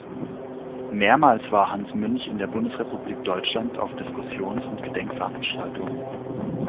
Mehrmals war Hans Münch in der Bundesrepublik Deutschland auf Diskussions- und Gedenkveranstaltungen.